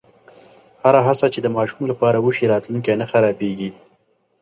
هره هڅه چې د ماشوم لپاره وشي، راتلونکی نه خرابېږي.